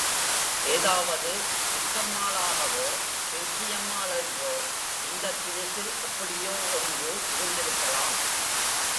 ஏதாவது பிச்சம்மாளாகவோ, பேச்சியம்மாள் என்றோ இந்த தினுசில் எப்படியோ ஒன்று இருந்திருக்கலாம்.